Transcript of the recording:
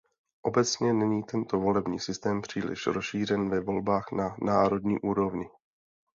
Obecně není tento volební systém příliš rozšířen ve volbách na národní úrovni.